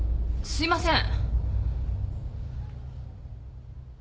すいません。